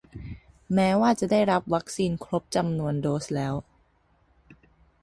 แม้ว่าจะได้รับวัคซีนครบจำนวนโดสแล้ว